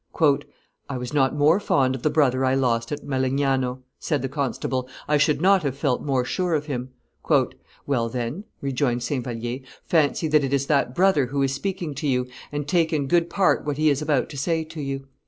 "I was not more fond of the brother I lost at Melegnano," said the constable; "I should not have felt more sure of him." "Well, then," rejoined St. Vallier, "fancy that it is that brother who is speaking to you, and take in good part what he is about to say to you.